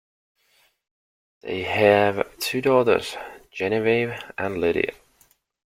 They have two daughters, Genevieve and Lydia.